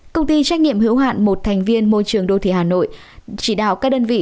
công ty trách nhiệm hữu hạn một thành viên môi trường đô thị hà nội chỉ đạo các đơn vị